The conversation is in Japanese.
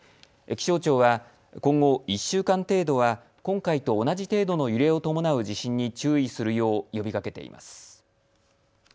気象庁は今後、１週間程度は今回と同じ程度の揺れを伴う地震に注意するよう呼びかけています。